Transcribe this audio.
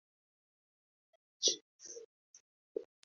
Tufike Mombasa